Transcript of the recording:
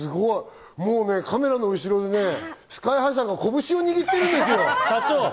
カメラの後ろでＳＫＹ−ＨＩさんが拳を握っているんですよ。